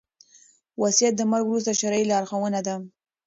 وصيت د مرګ وروسته شرعي لارښوونه ده